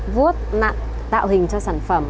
vuốt nặn tạo hình cho sản phẩm